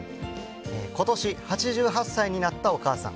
ことし８８歳になったお母さん。